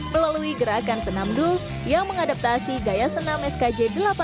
melalui gerakan senam duls yang mengadaptasi gaya senam skz delapan puluh delapan